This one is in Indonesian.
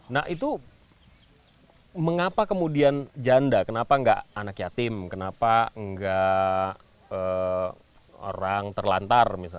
nah itu mengapa kemudian janda kenapa nggak anak yatim kenapa nggak orang terlantar misalnya